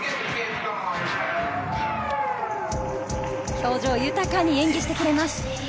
表情豊かに演技してくれます。